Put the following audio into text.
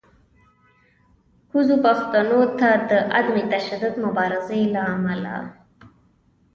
کوزو پښتنو ته د عدم تشدد مبارزې له امله